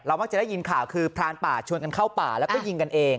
มักจะได้ยินข่าวคือพรานป่าชวนกันเข้าป่าแล้วก็ยิงกันเอง